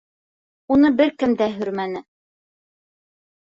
— Уны бер кем дә һөрмәне.